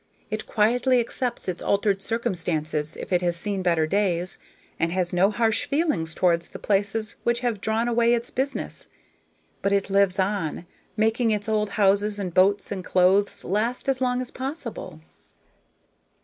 It quietly accepts its altered circumstances, if it has seen better days, and has no harsh feelings toward the places which have drawn away its business, but it lives on, making its old houses and boats and clothes last as long as possible."